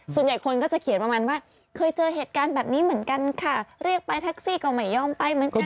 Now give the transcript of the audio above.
ส่วนใหญ่คนก็จะเขียนประมาณว่าเคยเจอเหตุการณ์แบบนี้เหมือนกันค่ะเรียกไปแท็กซี่ก็ไม่ยอมไปเหมือนกัน